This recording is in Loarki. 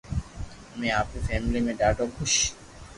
امي آپري فيملي مي ڌاڌو خوݾ